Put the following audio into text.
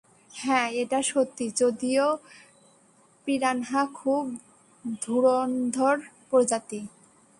হ্যাঁ, এটা সত্যি, যদিও পিরানহা খুব ধুরন্ধর প্রজাতি।